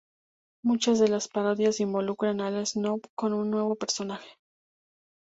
Muchas de las parodias involucraban a Snow con un nuevo personaje.